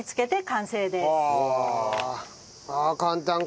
完成です。